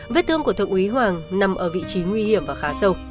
vết thương của thượng úy hoàng nằm ở vị trí nguy hiểm và khá sâu